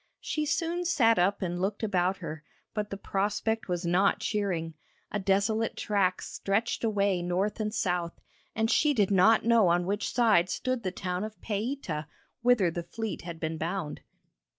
She soon sat up and looked about her, but the prospect was not cheering; a desolate track stretched away north and south, and she did not know on which side stood the town of Paita whither the fleet had been bound.